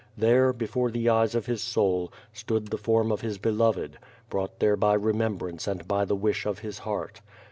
There, before the eyes of his soul, stood the form of his beloved, brought there by remembrance and by the wish of his heart.